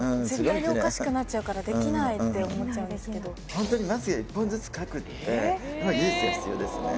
ホントにまつげ一本ずつ描くって技術が必要ですね。